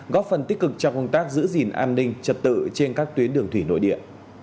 góp phần tích cực trong công tác giữ gìn an ninh trật tự trên các tuyến đường thủy nội địa